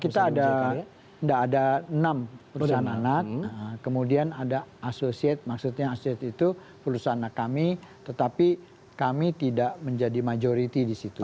kita ada enam perusahaan anak kemudian ada asosiat maksudnya asosiat itu perusahaan anak kami tetapi kami tidak menjadi majority di situ